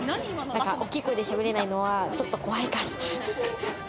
大きい声で喋れないのはちょっと怖いから。